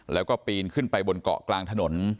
แล้วก็ปีนขึ้นไปบนเกาะกลางถนน